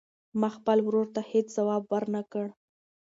ما خپل ورور ته هېڅ ځواب ورنه کړ.